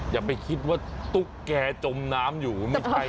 อย่าไปคิดว่าตุ๊กแกจมน้ำอยู่ไม่ใช่